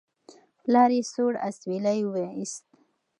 پلار یې سوړ اسویلی وایست.